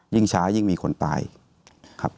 ยิ่งช้ายิ่งมีคนตายครับ